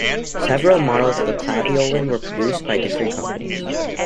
Several models of the Clavioline were produced by different companies.